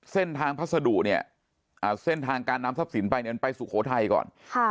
เส้นทางพัสดุเนี่ยเส้นทางการนำทรัพย์สินไปเนี่ยไปสุโขทัยก่อน